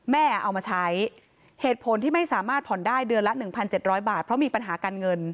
เอามาใช้เหตุผลที่ไม่สามารถผ่อนได้เดือนละ๑๗๐๐บาทเพราะมีปัญหาการเงิน